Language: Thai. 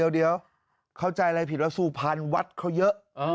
เดี๋ยวเข้าใจอะไรผิดว่าสุพรรณวัดเขาเยอะ